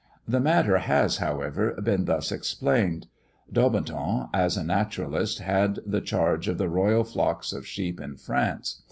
The matter has, however, been thus explained: Daubenton, as a naturalist, had the charge of the royal flocks of sheep in France.